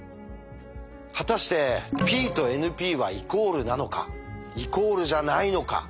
果たしてＰとＮＰはイコールなのかイコールじゃないのか。